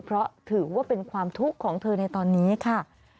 เพราะถือว่าเป็นความทุกข์ของเธอในตอนนี้ค่ะ